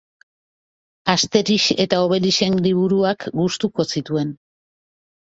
Asterix eta Obelixen liburuak gustuko zituen.